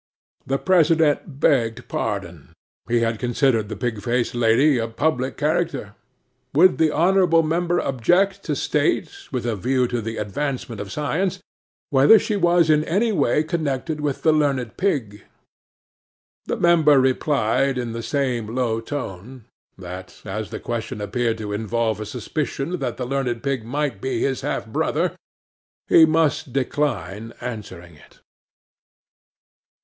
'THE PRESIDENT begged pardon. He had considered the pig faced lady a public character. Would the honourable member object to state, with a view to the advancement of science, whether she was in any way connected with the learned pig? 'The Member replied in the same low tone, that, as the question appeared to involve a suspicion that the learned pig might be his half brother, he must decline answering it.